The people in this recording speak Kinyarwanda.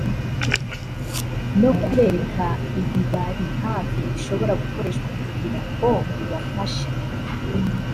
no kubereka ibibari hafi bishobora gukoreshwa kugira ngo bibafashe